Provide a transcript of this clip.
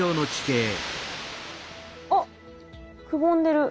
あっくぼんでる。